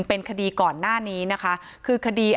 จนสนิทกับเขาหมดแล้วเนี่ยเหมือนเป็นส่วนหนึ่งของครอบครัวเขาไปแล้วอ่ะ